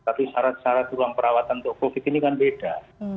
tapi syarat syarat ruang perawatan untuk covid ini kan beda